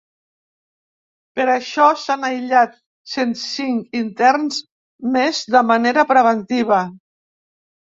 Per això, s’han aïllat cent cinc interns més de manera preventiva.